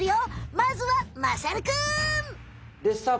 まずはまさるくん。